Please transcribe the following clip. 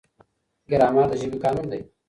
ګرامر د ژبې قانون دی.